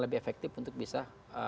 lebih efektif untuk bisa